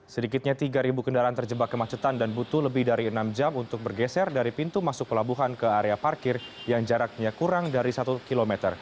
sedikitnya tiga kendaraan terjebak kemacetan dan butuh lebih dari enam jam untuk bergeser dari pintu masuk pelabuhan ke area parkir yang jaraknya kurang dari satu km